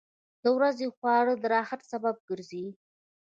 • د ورځې خواري د راحت سبب ګرځي.